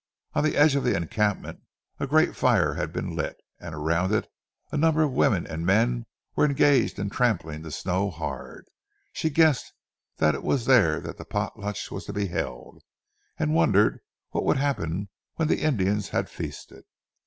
On the edge of the encampment a great fire had been lit, and around it a number of women and men were engaged in trampling the snow hard. She guessed that it was there that the potlatch was to be held, and wondered what would happen when the Indians had feasted.